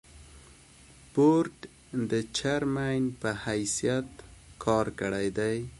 بورډ د چېرمين پۀ حېثيت کار کړے دے ۔